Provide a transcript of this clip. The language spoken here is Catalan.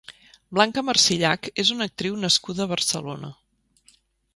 Blanca Marsillach és una actriu nascuda a Barcelona.